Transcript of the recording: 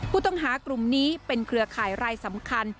ผู้ต้องหากลุ่มนี้เป็นเครือข่ายรายสำคัญ